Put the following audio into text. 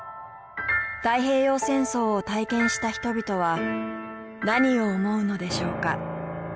太平洋戦争を体験した人々は何を思うのでしょうか？